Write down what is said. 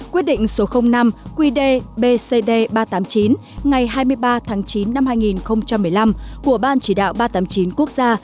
quyết định số năm quy đề bcd ba trăm tám mươi chín ngày hai mươi ba tháng chín năm hai nghìn một mươi năm của ban chỉ đạo ba trăm tám mươi chín quốc gia